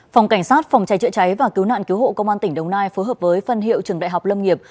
phòng cảnh sát phòng cháy chữa cháy và cứu nạn cứu hộ công an tỉnh đồng nai phối hợp với phân hiệu trường đại học lâm nghiệp